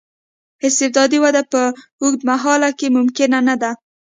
استبدادي وده په اوږد مهال کې ممکنه نه ده.